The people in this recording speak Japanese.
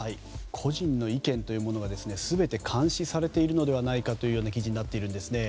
個人の意見というものが全て監視されているのではないかという記事になっているんですね。